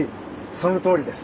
そのとおりです。